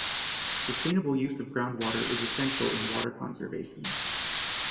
Sustainable use of groundwater is essential in water conservation.